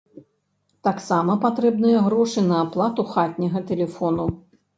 Таксама патрэбныя грошы на аплату хатняга тэлефону.